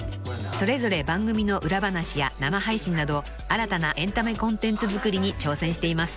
［それぞれ番組の裏話や生配信など新たなエンタメコンテンツ作りに挑戦しています］